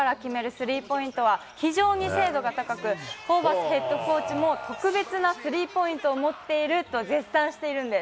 スリーポイントは非常に精度が高く、ホーバスヘッドコーチも特別なスリーポイントを持っていると、絶賛しているんです。